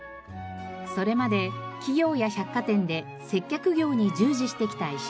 それまで企業や百貨店で接客業に従事してきた石田さん。